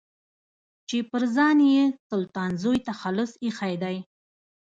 چې پر ځان يې سلطان زوی تخلص ايښی دی.